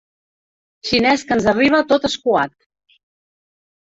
Xinès que ens arriba tot escuat.